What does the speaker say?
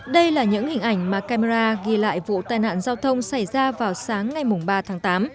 đây là những hình ảnh mà camera ghi lại vụ tai nạn giao thông xảy ra vào sáng ngày ba tháng tám